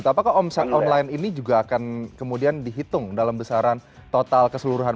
apakah omset online ini juga akan kemudian dihitung dalam besaran total keseluruhan